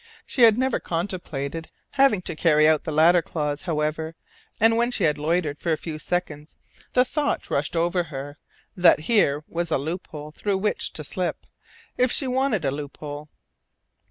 She had never contemplated having to carry out the latter clause, however; and when she had loitered for a few seconds, the thought rushed over her that here was a loop hole through which to slip, if she wanted a loop hole.